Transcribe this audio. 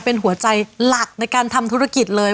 เป็นหัวใจหลักในการทำธุรกิจเลย